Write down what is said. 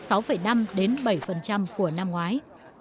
của năm ngoái